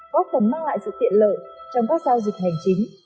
góp phần mang lại sự tiện lợi trong các giao dịch hành chính